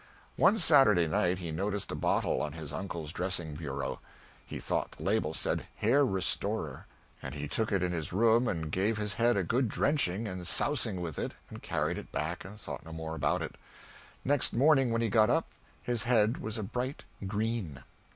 One Saturday night he noticed a bottle on his uncle's dressing bureau. He thought the label said "Hair Restorer," and he took it in his room and gave his head a good drenching and sousing with it and carried it back and thought no more about it. Next morning when he got up his head was a bright green!